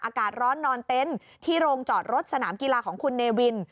อากาศร้อนนอนเต็นต์ที่โรงจอดรถสนามกีฬาของคุณเนวิน